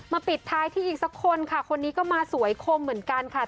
ปิดท้ายที่อีกสักคนค่ะคนนี้ก็มาสวยคมเหมือนกันค่ะ